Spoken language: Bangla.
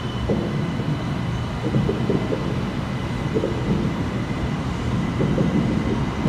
সুখের বার্তায় লুকিয়ে থাকা দুঃখটি হলো, বাংলাদেশের ওষুধের কাঁচামালের প্রায় পুরোটাই আমদানিনির্ভর।